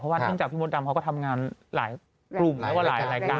เพราะว่าที่จากปฏิหารบนดำของก็ทำงานหลายกรุ่งหรือว่าหลายใกล้กา